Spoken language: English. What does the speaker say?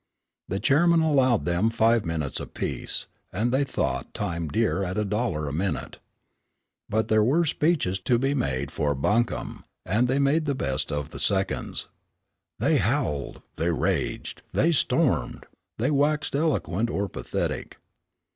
The chairman allowed them five minutes apiece, and they thought time dear at a dollar a minute. But there were speeches to be made for buncombe, and they made the best of the seconds. They howled, they raged, they stormed. They waxed eloquent or pathetic.